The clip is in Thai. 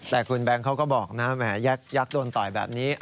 แต่คุณแบงค์เขาก็บอกนะแหมยักษ์โดนต่อยแบบนี้